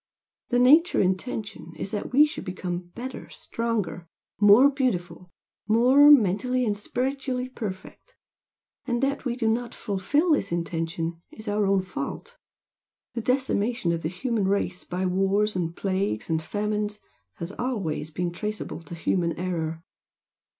The Nature intention is that we should become better, stronger, more beautiful, more mentally and spiritually perfect and that we do not fulfil this intention is our own fault. The decimation of the human race by wars and plagues and famines has always been traceable to human error.